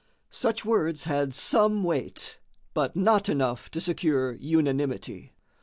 Such words had some weight, but not enough to secure unanimity.